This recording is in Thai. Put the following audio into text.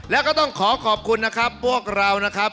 แล้วก็ต้องขอขอบคุณนะครับพวกเรานะครับ